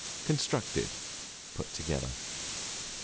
Constructed, put together.